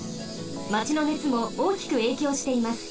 マチのねつもおおきくえいきょうしています。